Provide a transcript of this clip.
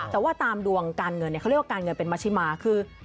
แต่ว่าตามดวงการเงินเขาเรียกว่าการเงินเป็นมัชิมาคือ